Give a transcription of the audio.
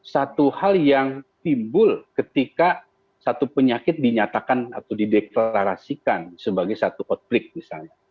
satu hal yang timbul ketika satu penyakit dinyatakan atau dideklarasikan sebagai satu outbreak misalnya